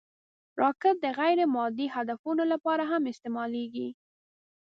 راکټ د غیر مادي هدفونو لپاره هم استعمالېږي